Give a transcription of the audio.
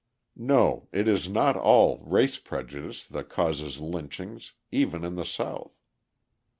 No, it is not all race prejudice that causes lynchings, even in the South.